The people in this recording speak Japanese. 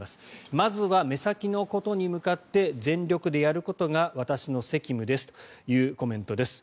まずは目先のことに向かって全力でやることが私の責務ですというコメントです。